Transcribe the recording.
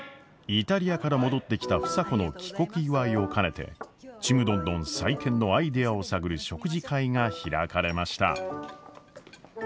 イタリアから戻ってきた房子の帰国祝いを兼ねてちむどんどん再建のアイデアを探る食事会が開かれました。